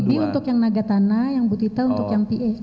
ini untuk yang naga tanah yang bu tita untuk yang pa